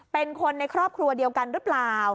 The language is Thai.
เป็นคนในครอบครัวเดียวกันหรือเปล่า